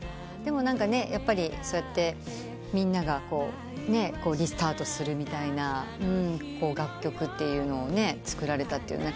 でもやっぱりそうやってみんながリスタートするみたいな楽曲を作られた。